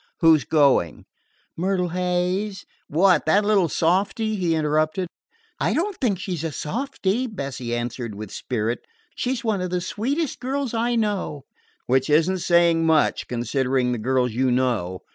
"Who 's going?" "Myrtle Hayes " "What! That little softy?" he interrupted. "I don't think she is a softy," Bessie answered with spirit. "She 's one of the sweetest girls I know." "Which is n't saying much, considering the girls you know.